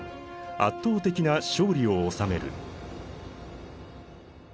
圧倒的な勝利を収める。